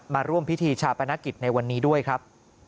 มาร่วมพิธีชาปนกิจในวันนี้ด้วยครับ